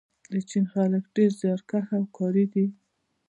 د چین خلک ډېر زیارکښ او کاري دي.